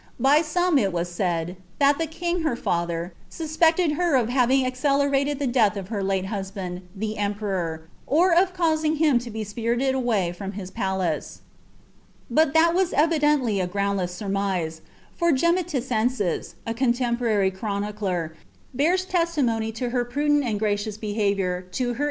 By some it was said. "^ iliac the king, her bther, suspecied b(( of having accelerated the death of her late husband, the emperor, otM (Wising him to be spirited away from his palace." Bat that was en denily a groundless surmise ; for Gemiiicensis, a contempoiwy chioiu elet, beara testimony to " her prudent and gnicioua behaviour to htt ' Hearjr al fiuntiDgdon. W.